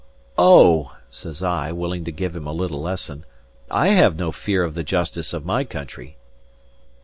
"O!" says I, willing to give him a little lesson, "I have no fear of the justice of my country."